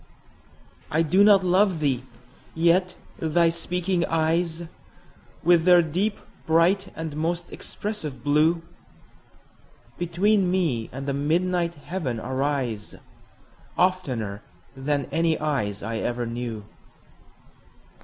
I do not love thee!—yet thy speaking eyes, With their deep, bright, and most expressive blue, Between me and the midnight heaven arise, 15 Oftener than any eyes I ever knew.